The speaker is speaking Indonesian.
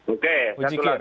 oke satu lagi